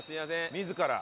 自ら。